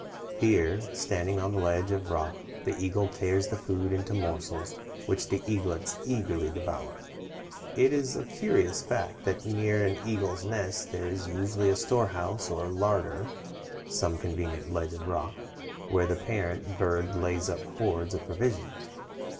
Here, standing on the ledge of rock, the eagle tears the food into morsels, which the eaglets eagerly devour. It is a curious fact that near an eagle's nest there is usually a storehouse or larder some convenient ledge of rock where the parent birds lay up hoards of provisions.